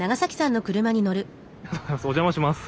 お邪魔します。